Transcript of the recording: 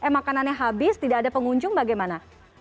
makanannya habis tidak ada pengunjung bagaimana